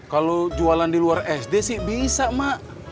kalau jualan di luar sd sih bisa mak